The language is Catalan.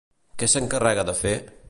Què s'encarrega de fer?